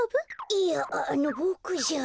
いやあのボクじゃ。